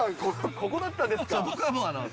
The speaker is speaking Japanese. ここだったんですそこかもな。